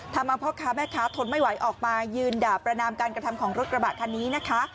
ทำเอาพ่อค้าแม่ค้าทนไม่ไหวออกมายืนด่าประนามการกระทำของรถกระบะคันนี้นะคะ